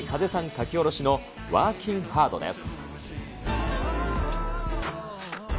書下ろしのワーキン・ハードです。